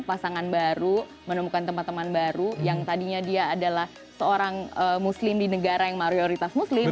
pasangan baru menemukan teman teman baru yang tadinya dia adalah seorang muslim di negara yang mayoritas muslim